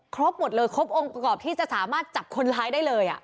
ครบหมดเลยครบองค์ประกอบที่จะสามารถจับคนร้ายได้เลย